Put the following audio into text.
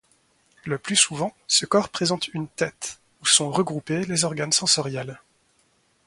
Le plus souvent ce corps présente une tête où sont regroupés les organes sensoriels.